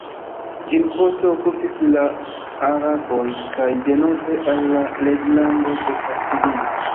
Ĝin poste okupis la araboj, kaj denove al la reĝlando de Kastilio.